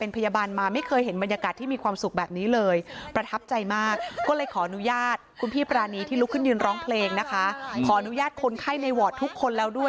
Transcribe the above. ภัยบาลเจ้าของเฟสบุ๊ก